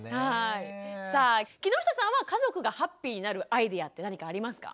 さあ木下さんは家族がハッピーになるアイデアって何かありますか？